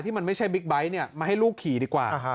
มันไม่ใช่บิ๊กไบท์มาให้ลูกขี่ดีกว่า